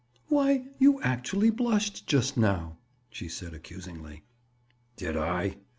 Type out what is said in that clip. "Why, you actually blushed, just now," she said accusingly. "Did I?"